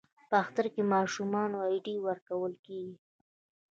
په اختر کې ماشومانو ته ایډي ورکول کیږي.